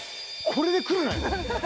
これでくるなよ？